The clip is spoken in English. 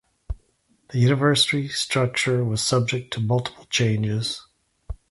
The university structure was subject to multiple changes.